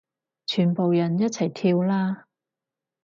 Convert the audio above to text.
全部人一齊跳啦